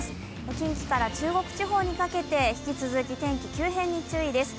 近畿から中国地方にかけて、引き続き天気、急変に注意です。